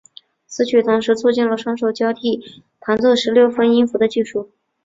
此曲同时也促进了双手交替弹奏十六分音符的技术。